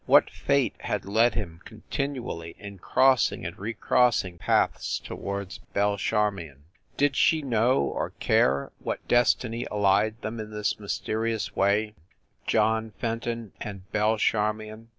What fate had led him con tinually in crossing and recrossing paths towards Belle Charmion ? Did she know, or care, what des tiny allied them in this mysterious way John Fen ton and Belle Charmion?